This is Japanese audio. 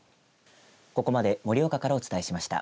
ここまで盛岡からお伝えしました。